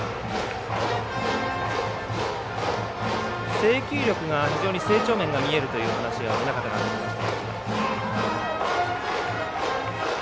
制球力が非常に成長面が見えるという話も宗像監督もしていました。